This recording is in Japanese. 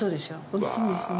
美味しそうですね。